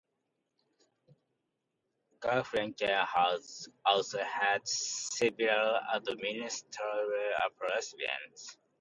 Garfinkel has also held several administrative appointments.